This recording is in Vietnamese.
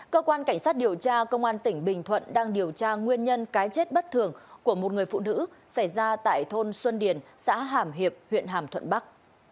cơ quan cảnh sát điều tra công an tỉnh bình thuận đang điều tra nguyên nhân cái chết bất thường của một người phụ nữ xảy ra tại thôn xuân điền xã hàm hiệp huyện hàm thuận bắc